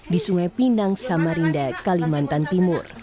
di sungai pinang samarinda kalimantan timur